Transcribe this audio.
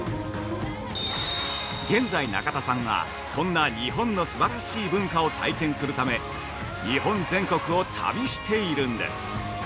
現在、中田さんはそんな日本のすばらしい文化を体験するため日本全国を旅しているんです。